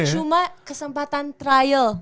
belum cuma kesempatan trial